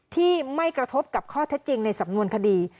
ที่ไม่กระทบกับข้อเท็จจริงในสำนวนคดี